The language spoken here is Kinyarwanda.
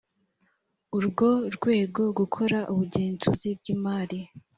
urwo rwego gukora ubugenzuzi bw imari